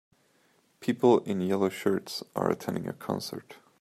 People in yellow shirts are attending a concert.